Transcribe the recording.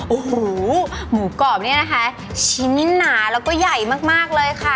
โอ้โหหมูกรอบเนี่ยนะคะชิ้นนี้หนาแล้วก็ใหญ่มากเลยค่ะ